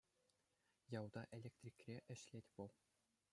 Ялта электрикре ӗҫлет вӑл.